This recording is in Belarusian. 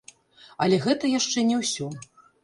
Але гэта яшчэ не ўсё!